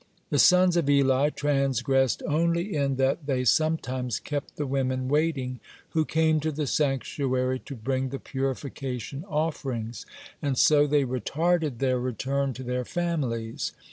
The sons of Eli transgressed only in that they sometimes kept the women waiting who came to the sanctuary to bring the purification offerings, and so they retarded their return to their families.